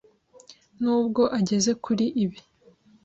N’ubwo ageze kuri ibi,